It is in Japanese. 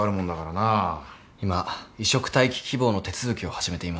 今移植待機希望の手続きを始めています。